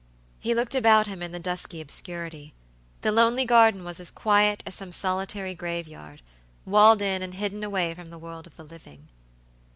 He looked about him in the dusky obscurity. The lonely garden was as quiet as some solitary grave yard, walled in and hidden away from the world of the living.